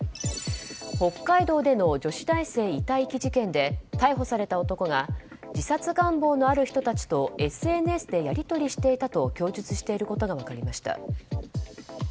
北海道での女子大生遺体遺棄事件で逮捕された男が自殺願望のある人たちとＳＮＳでやり取りをしていたと供述していたことが分かりました。